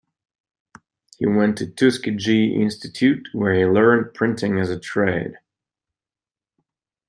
He went to Tuskegee Institute, where he learned printing as a trade.